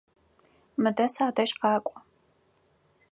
Мыдэ садэжь къакӏо!